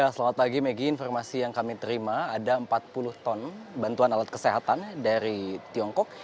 selamat pagi megi informasi yang kami terima ada empat puluh ton bantuan alat kesehatan dari tiongkok